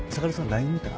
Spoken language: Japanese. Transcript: ＬＩＮＥ見た？